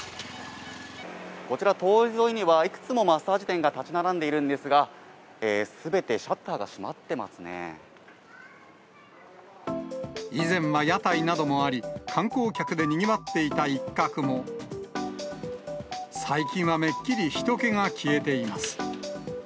こちら、通り沿いには、いくつもマッサージ店が建ち並んでいるんですが、すべてシャッタ以前は屋台などもあり、観光客でにぎわっていた一角も、最近はめっきりひと気が消えています。